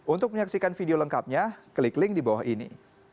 untuk menyaksikan video lengkapnya klik link di bawah ini